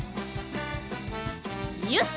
よし！